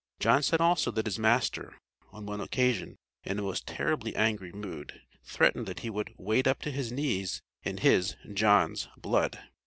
John said also that his master, on one occasion, in a most terribly angry mood, threatened that he would "wade up to his knees in his (John's) blood."